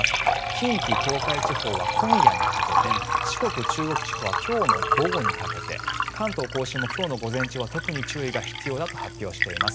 近畿・東海地方は今夜にかけて四国・中国地方は今日の午後にかけて関東・甲信も今日の午前中は特に注意が必要だと発表しています。